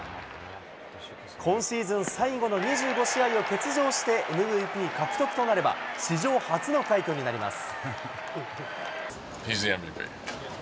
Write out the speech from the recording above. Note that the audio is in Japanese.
今シーズン最後の２５試合を欠場して、ＭＶＰ獲得となれば、史上初の快挙になります。